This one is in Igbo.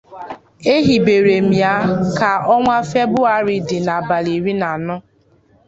Ehibere m ya ka ọnwa Febụwarị dị n'abalị iri na anọ